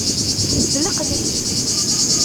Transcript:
D leqdic.